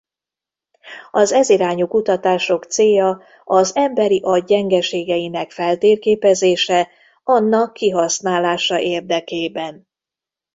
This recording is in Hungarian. Az ez irányú kutatások célja az emberi agy gyengeségeinek feltérképezése annak kihasználása érdekében.